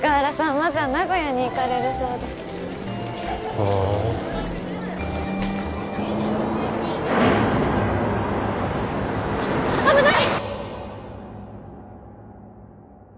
まずは名古屋に行かれるそうですああ危ない！